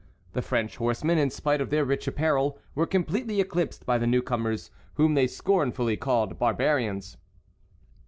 The French horsemen, in spite of their rich apparel, were completely eclipsed by the newcomers, whom they scornfully called barbarians.